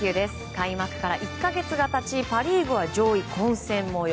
開幕から１か月が経ちパ・リーグは上位混戦模様。